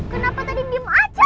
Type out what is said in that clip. kenapa tadi diem aja